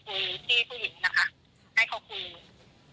คุณคุยกับพาทมันหายมาก่อนเยอะมาก